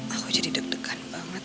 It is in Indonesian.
aku jadi deg degan banget